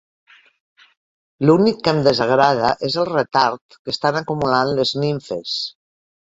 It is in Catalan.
L'únic que em desagrada és el retard que estan acumulant les nimfes.